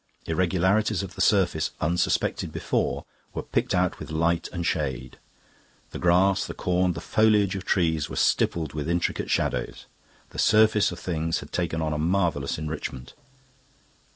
Irregularities of the surface, unsuspected before, were picked out with light and shade. The grass, the corn, the foliage of trees were stippled with intricate shadows. The surface of things had taken on a marvellous enrichment.